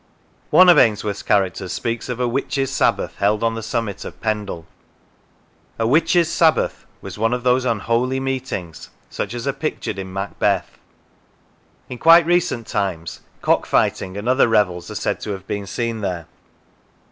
One of Ainsworth's characters speaks of a " witches' sabbath " held on the summit of Pendle. A " witches' sabbath " was one of those unholy meetings, such as are pictured in Macbeth. In quite recent times cock fighting and other revels are said to have been seen there.